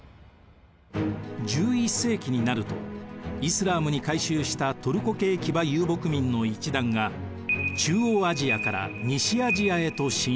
１１世紀になるとイスラームに改宗したトルコ系騎馬遊牧民の一団が中央アジアから西アジアへと進出。